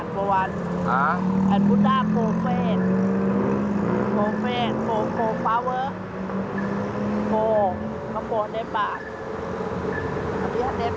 ๔เฟสและ๔เทสและ๔เทส